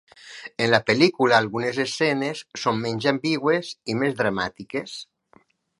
En la pel·lícula, algunes escenes són menys ambigües i més dramàtiques.